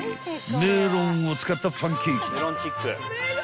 ［メロンを使ったパンケーキ］